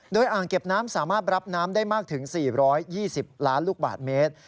โดยอ่างเก็บน้ำสามารถรับน้ำได้มากถึง๔๒๐ล้านลูกบาทเมตร